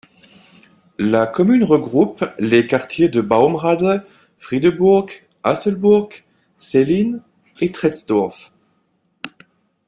La commune regroupe les quartiers de Baumrade, Friedeburg, Hasselburg, Sellin et Tresdorf.